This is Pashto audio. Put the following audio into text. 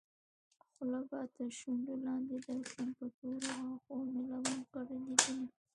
خوله به تر شونډو لاندې درکړم په تورو غاښو مې لونګ کرلي دينه